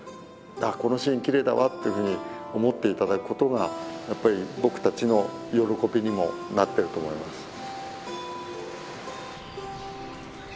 あっこのシーンきれいだわっていうふうに思っていただくことがやっぱり僕たちの喜びにもなってると思います。